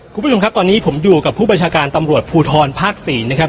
คุณผู้ชมครับตอนนี้ผมอยู่กับผู้บัญชาการตำรวจภูทรภาค๔นะครับ